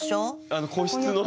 あの個室の。